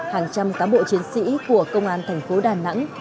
hàng trăm cán bộ chiến sĩ của công an thành phố đà nẵng